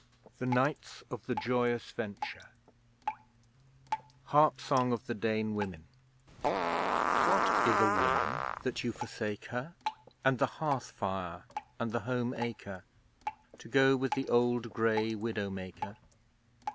THE KNIGHTS OF THE JOYOUS VENTURE HARP SONG OF THE DANE WOMEN What is a woman that you forsake her, And the hearth fire and the home acre, To go with the old grey Widow maker?